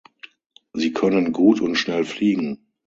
Sie können gut und schnell fliegen.